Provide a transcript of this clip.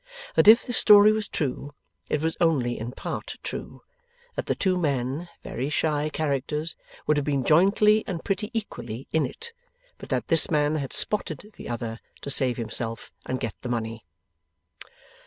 That if this story was true, it was only in part true. That the two men, very shy characters, would have been jointly and pretty equally 'in it;' but that this man had 'spotted' the other, to save himself and get the money.